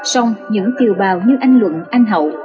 xong những kiều bào như anh luận anh hậu